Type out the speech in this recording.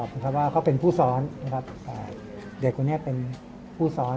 เพราะว่าเขาเป็นผู้ซ้อนนะครับเด็กคนนี้เป็นผู้ซ้อน